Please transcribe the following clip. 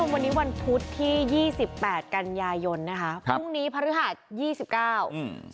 วันนี้วันพุธที่ยี่สิบแปดกันยายนนะคะพรุ่งนี้พฤหัสยี่สิบเก้าอืม